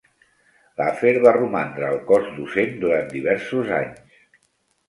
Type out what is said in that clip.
Laffer va romandre al cos docent durant diversos anys.